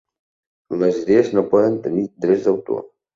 Les idees no poden tenir drets d'autor.